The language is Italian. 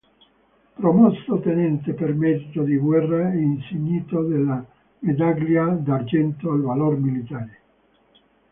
Promosso tenente per merito di guerra e insignito della Medaglia d'argento al valor militare.